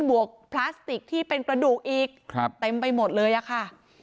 วกพลาสติกที่เป็นกระดูกอีกเต็มไปหมดเลยอะค่ะ